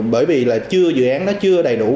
bởi vì là dự án đó chưa đầy đủ